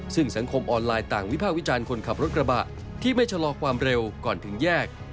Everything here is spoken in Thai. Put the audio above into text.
ซึ่งสังคมออนไลน์ต่างวิภาควิจารณ์คนขับรถกระบะที่ไม่ชะลอความเร็วก่อนถึงแยก